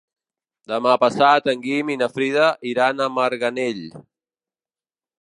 Demà passat en Guim i na Frida iran a Marganell.